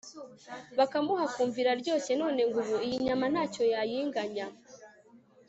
bakamuha akumva iraryoshye, none ngo ubu iyi nyama ntacyo yayinganya